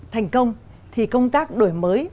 thành công thì công tác đổi mới